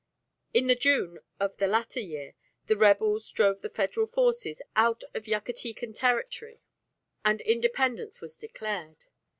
In the June of the latter year the rebels drove the Federal forces out of Yucatecan territory, and independence was declared.